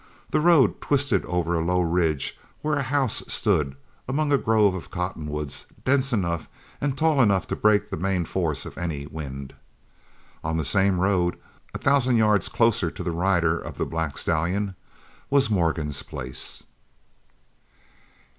The road twisted over a low ridge where a house stood among a grove of cottonwoods dense enough and tall enough to break the main force of any wind. On the same road, a thousand yards closer to the rider of the black stallion, was Morgan's place.